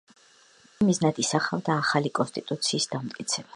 იგი მიზნად ისახავდა ახალი კონსტიტუციის დამტკიცებას.